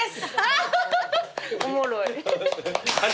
おもろい。